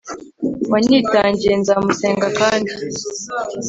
wanyitangiye, nzamusenga kandi